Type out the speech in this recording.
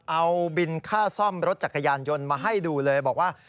เอาบินค่าซ่อมรถจักรยานยนต์มาให้ดูเลยบอกว่า